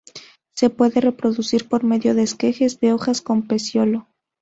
Se puede reproducir por medio de esquejes de hojas con pecíolo.